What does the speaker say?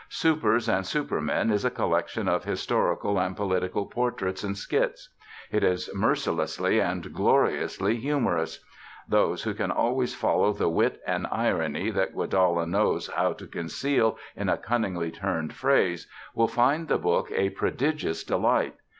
Supers and Supermen is a collection of historical and political portraits and skits. It is mercilessly and gloriously humorous. Those who can always follow the wit and irony that Guedalla knows how to conceal in a cunningly turned phrase, will find the book a prodigious delight.